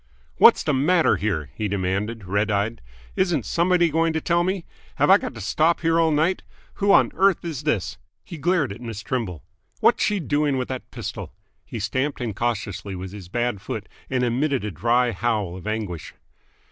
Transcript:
"What's the matter here?" he demanded, red eyed. "Isn't somebody going to tell me? Have I got to stop here all night? Who on earth is this?" He glared at Miss Trimble. "What's she doing with that pistol?" He stamped incautiously with his bad foot, and emitted a dry howl of anguish.